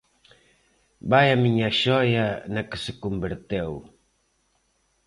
Vaia miñaxoia na que se converteu.